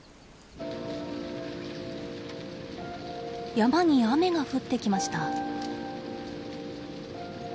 山に雨が降ってきました。